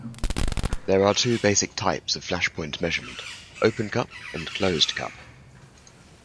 There are two basic types of flash point measurement: open cup and closed cup.